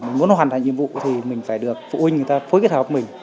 mình muốn hoàn thành nhiệm vụ thì mình phải được phụ huynh người ta phối kết hợp mình